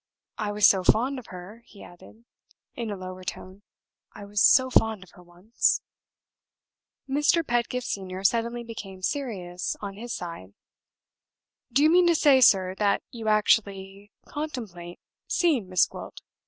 I was so fond of her," he added, in a lower tone "I was so fond of her once." Mr. Pedgift Senior suddenly became serious on his side. "Do you mean to say, sir, that you actually contemplate seeing Miss Gwilt?"